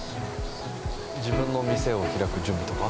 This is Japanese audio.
自分の店を開く準備とか。